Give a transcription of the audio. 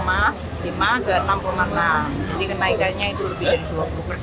jadi kenaikannya itu lebih dari dua puluh persen